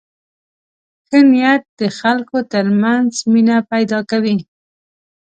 ښه نیت د خلکو تر منځ مینه پیدا کوي.